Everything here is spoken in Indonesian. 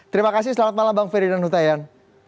terima kasih selamat malam bang ferdinand hutayan